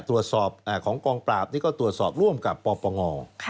ตรวจสอบของกองปราบนี่ก็ตรวจสอบร่วมกับปปง